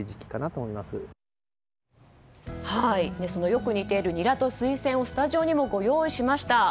よく似ているニラとスイセンをスタジオにもご用意しました。